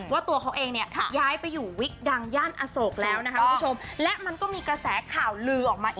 ว่าตัวเค้าเองเนี่ยย้ายไปอยู่วิกดังย่านอสโอกแล้วและมันก็มีกระแสข่าวลือออกมาอีก